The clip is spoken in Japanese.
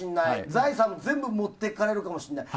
財産を全部持っていかれるかもしれない。